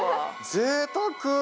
ぜいたく。